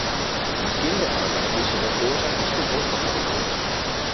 Maar kinderarbeid is zowel oorzaak als gevolg van armoede.